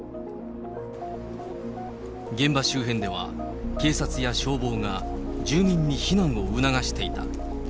現場周辺では、警察や消防が住民に避難を促していた。